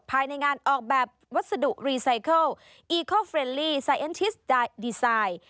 ภายในงานออกแบบวัสดุรีไซเคิลอีคอลเฟรนลี่ไซเอ็นชิสดีไซน์